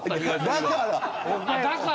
だからか。